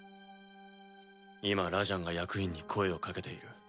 今ラジャンが役員に声を掛けている。